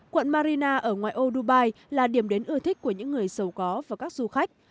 quận marina ở ngoài ô dubai là điểm đến ưa thích của những người giàu có và các du khách